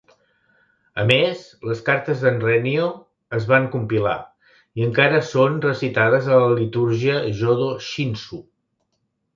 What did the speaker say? A més, les cartes de"n Rennyo es van compilar i encara són recitades a la litúrgia Jodo Shinshu.